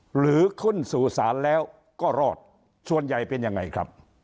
หรือขึ้นสู่ศาลแล้วก็รอดส่วนใหญ่เป็นยังไงครับ